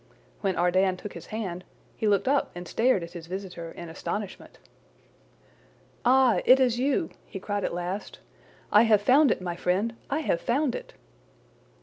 When Ardan took his hand, he looked up and stared at his visitor in astonishment. "Ah, it is you!" he cried at last. "I have found it, my friend, I have found it!"